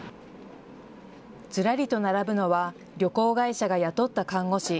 ずらりと並ぶのは旅行会社が雇った看護師。